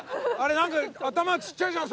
なんか頭ちっちゃいじゃん！